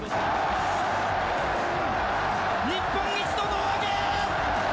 日本一の胴上げ！